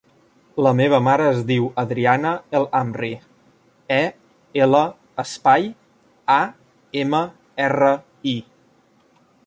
La meva mare es diu Adriana El Amri: e, ela, espai, a, ema, erra, i.